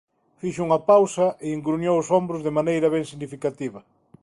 Fixo unha pausa e engruñou os ombros de maneira ben significativa.